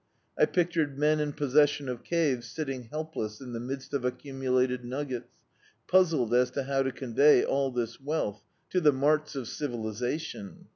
I pictured men in possession of caves sitting helpless in the midst of accumulated nuggets, puzzled as to how to convey all this wealth to the marts of civilisation.